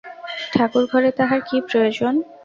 ঠাকুরঘরে তাহার কী প্রয়োজন?